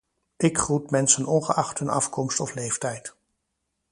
Ik groet mensen ongeacht hun afkomst of leeftijd.